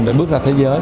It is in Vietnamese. để bước ra thế giới